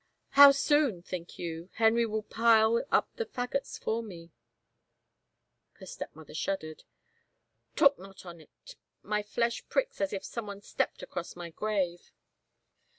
" How soon, think you, Henry will pile up the fagots for me ?" Her stepmother shuddered. " Talk not on't, my flesh pricks as if someone stepped across my grave.